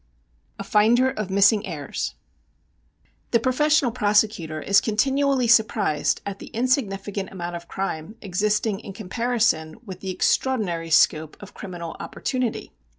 VIII A Finder of Missing Heirs The professional prosecutor is continually surprised at the insignificant amount of crime existing in comparison with the extraordinary scope of criminal opportunity.